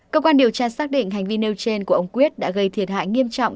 cơ quan điều tra xác định hành vi nêu trên của ông quyết đã gây thiệt hại nghiêm trọng